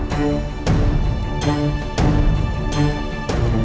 kamu bisa jadiin keras